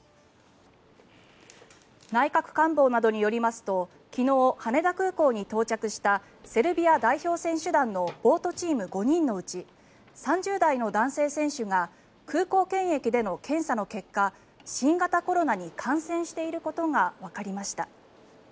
内閣官房などによりますと昨日、羽田空港に到着したセルビア代表選手団のボートチーム５人のうち３０代の男性選手が空港検疫での検査の結果新型コロナに感染していることがわかりました。